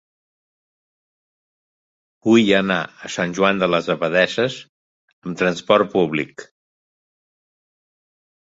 Vull anar a Sant Joan de les Abadesses amb trasport públic.